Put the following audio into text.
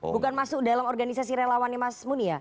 bukan masuk dalam organisasi relawannya mas muni ya